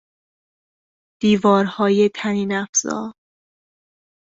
دیوارهای طنینافزا